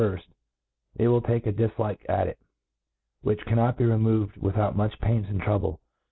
firft, they will take a diflike at it, which . cannot be removed without much pains and trou* ble.